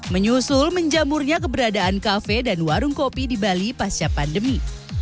menyusul menjamurnya keberadaan kafe dan warung kopi di bali pasca pandemi